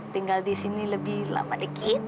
tinggal di sini lebih lama dikit